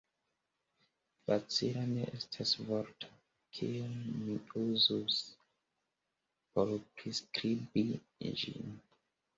Facila ne estas vorto, kiun mi uzus, por priskribi ĝin.